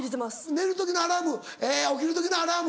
寝る時のアラーム起きる時のアラーム。